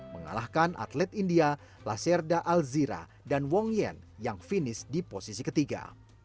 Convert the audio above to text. mengalahkan atlet india laserda alzira dan wong yen yang finish di posisi ketiga